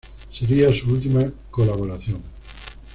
Seria su última colaboración.